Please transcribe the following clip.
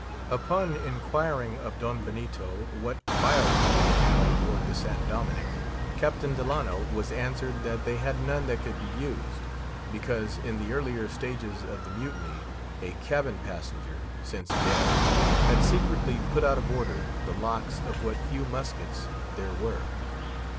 Upon inquiring of Don Benito what firearms they had on board the San Dominick, Captain Delano was answered that they had none that could be used; because, in the earlier stages of the mutiny, a cabin passenger, since dead, had secretly put out of order the locks of what few muskets there were.